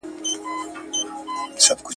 د ښوونکو د تقاعد لپاره کوم نوي اصول ټاکل سوي دي؟